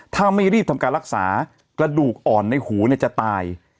ถ้าไม่รีบทำการรักษากระดูกอ่อนในหูจะตาย